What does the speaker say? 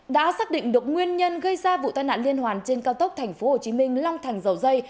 đã xác định được nguyên nhân gây ra vụ tai nạn liên hoàn trên cao tốc tp hcm long thành dầu dây